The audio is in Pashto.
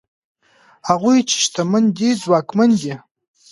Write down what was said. هغوی چې شتمن دي ځواکمن دي؛